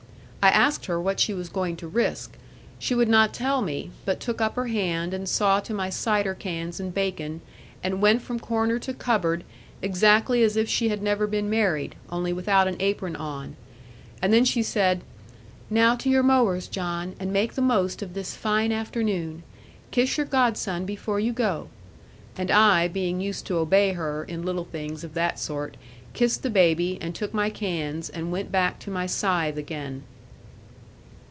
I asked her what she was going to risk. She would not tell me; but took upper hand, and saw to my cider cans and bacon, and went from corner to cupboard, exactly as if she had never been married; only without an apron on. And then she said, 'Now to your mowers, John; and make the most of this fine afternoon; kiss your godson before you go.' And I, being used to obey her, in little things of that sort, kissed the baby, and took my cans, and went back to my scythe again.